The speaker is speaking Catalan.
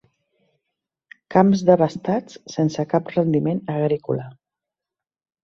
Camps devastats, sense cap rendiment agrícola.